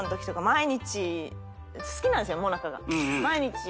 毎日。